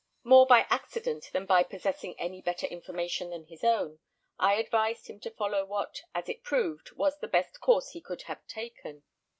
More by accident than by possessing any better information than his own, I advised him to follow what, as it has proved, was the best course he could have taken.